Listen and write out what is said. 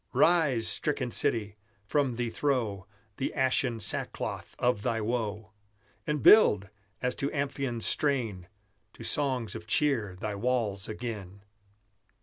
Rise, stricken city! from thee throw The ashen sackcloth of thy woe; And build, as to Amphion's strain, To songs of cheer thy walls again!